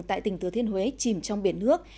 tại tỉnh thừa thiên huế chìm trong biển nước